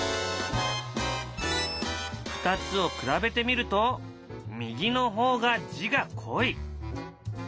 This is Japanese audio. ２つを比べてみると右の方が字が濃い。